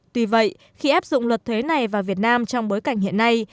tuy vậy khi áp dụng luật thuế này vào việt nam trong bối cảnh hiện nay